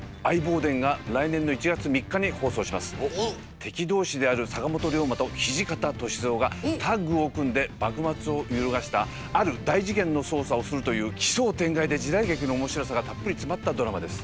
敵同士である坂本龍馬と土方歳三がタッグを組んで幕末を揺るがしたある大事件の捜査をするという奇想天外で時代劇の面白さがたっぷり詰まったドラマです。